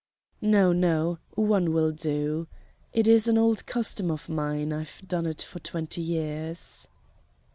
"No, no one will do. It is an old custom of mine; I've done it for twenty years."